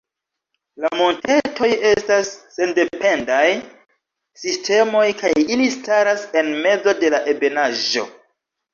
La montetoj estas sendependaj sistemoj kaj ili staras en mezo de la ebenaĵo.